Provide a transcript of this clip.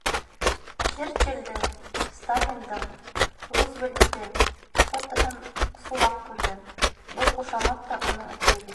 Черчиллдең, Сталиндың, Рузвельттең фотоһын Сулаҡ күргән, был ҡушамат та уның этлеге.